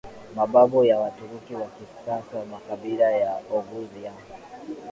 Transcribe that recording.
Mababu ya Waturuki wa kisasa makabila ya Oguz ya